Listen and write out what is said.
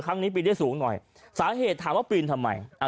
ปีนได้สูงหน่อยสาเหตุถามว่าปีนทำไม